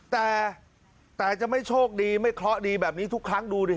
แต่แต่จะไม่โชคดีไม่เคราะห์ดีแบบนี้ทุกครั้งดูดิ